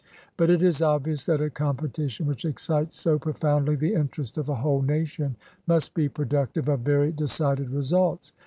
But it is obvious that a competition which excites so profoundly the interest of a whole nation must be pro ductive of very decided results.